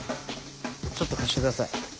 ちょっと貸してください。